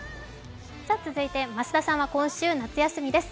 続いて、増田さんは今週夏休みです。